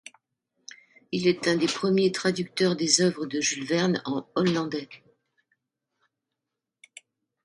Il est un des premiers traducteurs des œuvres de Jules Verne en hollandais.